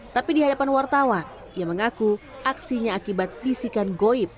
tapi di hadapan wartawan ia mengaku aksinya akibat bisikan goib